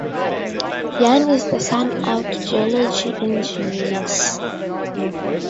Yuan is the son of geology engineers.